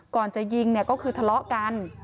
ก่อนจะยิงเนี่ยก็คือทะเลาะกัน